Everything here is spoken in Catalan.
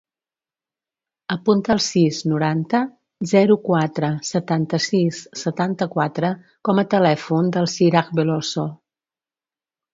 Apunta el sis, noranta, zero, quatre, setanta-sis, setanta-quatre com a telèfon del Siraj Veloso.